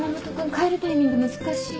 帰るタイミング難しい。